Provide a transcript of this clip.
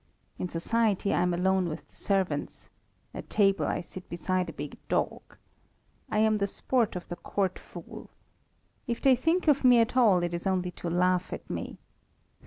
In society I am alone with the servants. At table I sit beside a big dog. I am the sport of the court fool. If they think of me at all it is only to laugh at me.